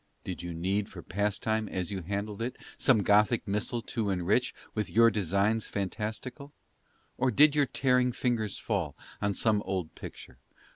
Did you need For pastime, as you handled it, Some Gothic missal to enrich With your designs fantastical? Or did your tearing fingers fall On some old picture?